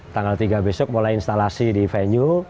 tanggal tiga besok mulai instalasi di venue